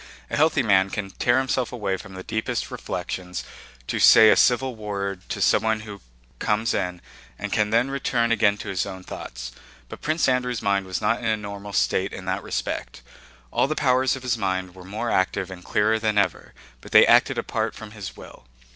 A healthy man can tear himself away from the deepest reflections to say a civil word to someone who comes in and can then return again to his own thoughts. But Prince Andrew's mind was not in a normal state in that respect. All the powers of his mind were more active and clearer than ever, but they acted apart from his will.